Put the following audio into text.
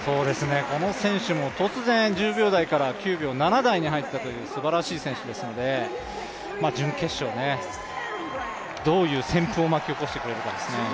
この選手も突然１０秒台から９秒７台に入ったというすばらしい選手ですので、準決勝、どういう旋風を巻き起こしてくれるかですね。